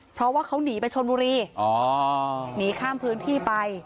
เพราะว่าเขาหนีไปชนบุรีอ๋อหนีข้ามพื้นที่ไป